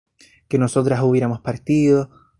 que nosotras hubiéramos partido